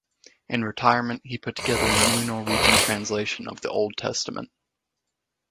In retirement, he put together a new Norwegian translation of the Old Testament.